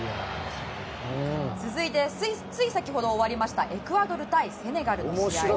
続いて、つい先ほど終わりましたエクアドル対セネガルの試合。